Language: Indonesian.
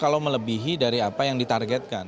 kalau melebihi dari apa yang ditargetkan